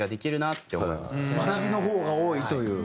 学びの方が多いという。